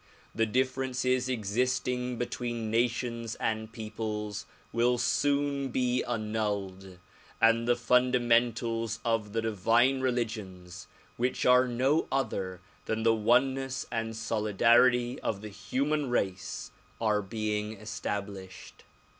The differences existing between nations and peoples will soon be annulled and the funda mentals of the divine religions which are no other than the one ness and solidarity of the human race are being established.